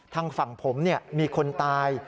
ทางฝั่งผมมีคนตาย